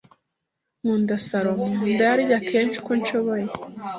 Nkunda salmon. Ndayarya kenshi uko nshoboye.